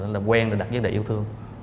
làm quen và đặt giá đạt yêu thương